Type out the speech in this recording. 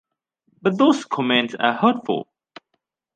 But those comment are hurtful.